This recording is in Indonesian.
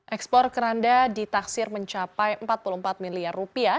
ekspor keranda ditaksir mencapai empat puluh empat miliar rupiah